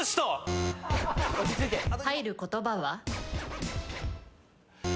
入る言葉は？